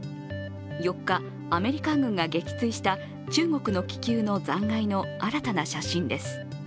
４日、アメリカ軍が撃墜した中国の気球の残骸の新たな写真です。